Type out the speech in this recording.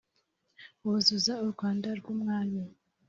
wuzuza urwanda rw umwami